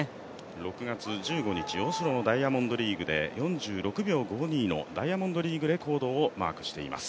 ６月１５日、ダイヤモンドリーグで４６秒５２のダイヤモンドリーグレコードをマークしています。